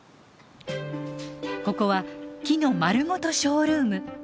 ここは木のまるごとショールーム。